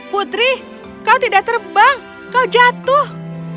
putri kau tidak terbang kau jatuh